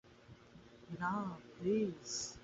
না, প্লিজ!